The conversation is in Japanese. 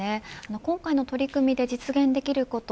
今回の取り組みで実現できること。